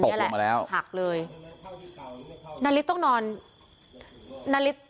ตกลงมาแล้วหักเลยนาริสต้องนอนนาริส